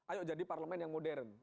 ayo jadi parlemen yang modern